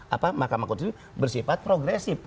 apa makam akuntif itu bersifat progresif